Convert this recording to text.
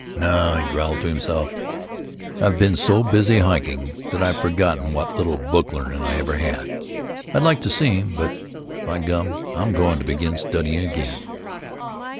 "No," he growled to himself, "I've been so busy hiking that I've forgotten what little book learnin' I ever had. I'd like to see him, but——By gum! I'm going to begin studying again."